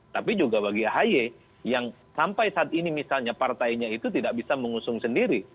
tapi juga bagi ahy yang sampai saat ini misalnya partainya itu tidak bisa mengusung sendiri